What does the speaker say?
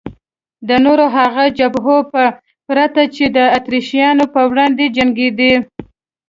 د نورو هغو جبهو په پرتله چې د اتریشیانو په وړاندې جنګېدې.